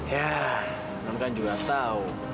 ya non kan juga tahu